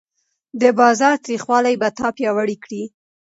د بازار تریخوالی به تا پیاوړی کړي.